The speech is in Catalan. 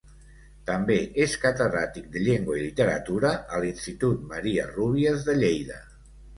També és catedràtic de llengua i literatura a l'Institut Maria Rúbies de Lleida.